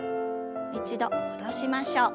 一度戻しましょう。